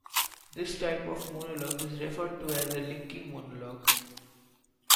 This type of monologue is referred to as a linking monologue.